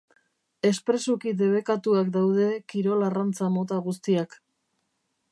Espresuki debekatuak daude kirol arrantza mota guztiak.